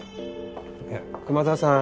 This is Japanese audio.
いや熊沢さん